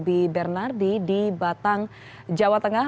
bi bernardi di batang jawa tengah